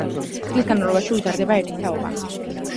წლის განმავლობაში ვითარდება ერთი თაობა.